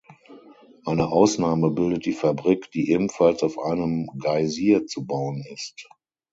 Eine Ausnahme bildet die Fabrik, die ebenfalls auf einem Geysir zu bauen ist.